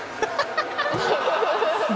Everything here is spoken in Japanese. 「ハハハッ！